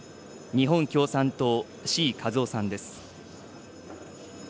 日本共産党、志位和夫さんです。